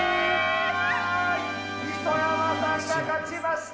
磯山さんが勝ちました。